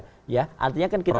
artinya kan kita mengantarkan